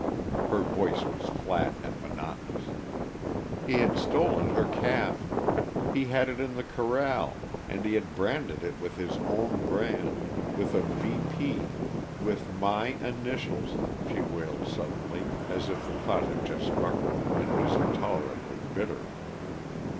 Her voice was flat and monotonous. "He had stolen her calf. He had it in the corral, and he had branded it with his own brand with a VP. With my initials!" she wailed suddenly, as if the thought had just struck her, and was intolerably bitter.